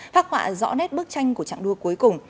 phát họa rõ nét bức tranh của trạng đua cuối cùng